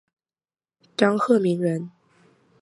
张鹤鸣人。